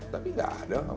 tapi enggak ada